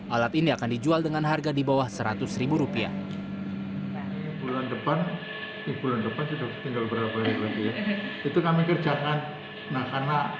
alat ini akan dijual dengan harga di bawah seratus ribu rupiah